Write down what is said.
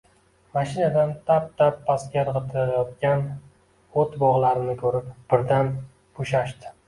mashinadan «tap-tap» pastga irgʼitilayotgan oʼt bogʼlarini koʼrib, birdan boʼshashdi: